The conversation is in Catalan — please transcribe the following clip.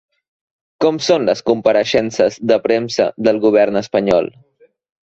Com són les compareixences de premsa del govern espanyol?